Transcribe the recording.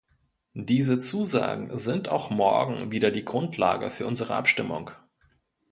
Diese Zusagen sind auch morgen wieder die Grundlage für unsere Abstimmung.